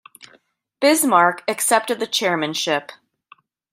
Bismarck accepted the chairmanship.